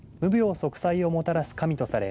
息災をもたらす神とされ